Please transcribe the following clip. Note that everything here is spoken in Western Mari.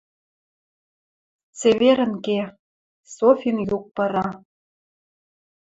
«Цеверӹн ке...» — Софин юк пыра.